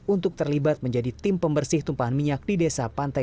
untuk terlibat menjadi tim pembersih tumpahan minyak di desa pantai